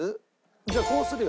じゃあこうするよ。